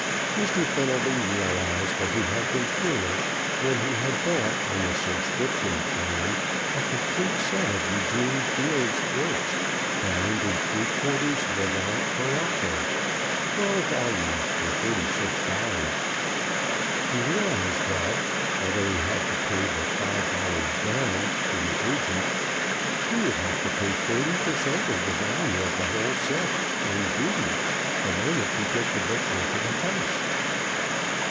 Mr. Fenelby realized that he had been foolish when he had bought, on the subscription plan, a complete set of Eugene Field's works, bound in three quarters levant morocco, twelve volumes for thirty six dollars. He realized that although he had had to pay but five dollars down, to the agent, he would have to pay thirty per cent. of the value of the whole set, in duty, the moment he took the books into the house.